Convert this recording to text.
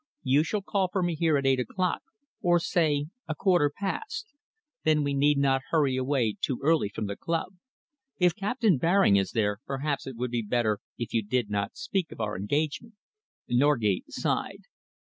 You shall call for me here at eight o'clock or say a quarter past, then we need not hurry away too early from the club. If Captain Baring is there, perhaps it would be better if you did not speak of our engagement." Norgate sighed.